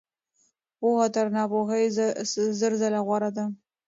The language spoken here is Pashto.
پوهه تر ناپوهۍ زر ځله غوره ده.